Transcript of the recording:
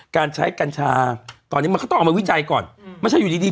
การใช้กัญชาตอนนี้มันก็ต้องเอามาวิจัยก่อนไม่ใช่อยู่ดีดี